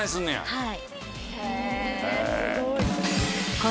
はい。